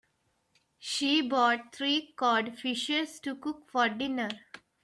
She bought three cod fishes to cook for dinner.